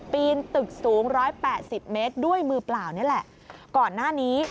ปีนตึกสูงร้อยแปดสิบเมตรด้วยมือเปล่านี่แหละก่อนหน้านี้